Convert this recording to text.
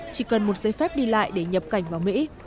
chỉ cần một giấy phép đi lại để nhập cảnh vào mỹ